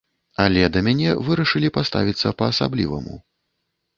Але да мяне вырашылі паставіцца па-асабліваму.